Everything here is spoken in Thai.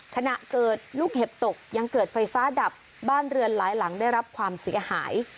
ขณะเกิดลูกเห็บตกยังเกิดไฟฟ้าดับบ้านเรือนหลายหลังได้รับความเสียหาย